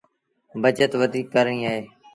بچت وڌيٚڪ ڪرڻيٚ اهي